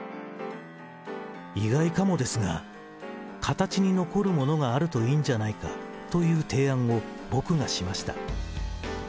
意外かもですが、形に残るものがあるといいんじゃないかという提案を、僕がしました。